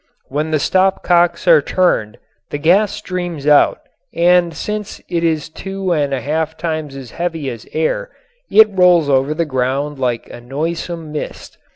When the stop cocks are turned the gas streams out and since it is two and a half times as heavy as air it rolls over the ground like a noisome mist.